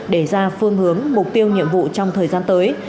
để ra phương hướng mục tiêu nhiệm vụ trong thời gian tới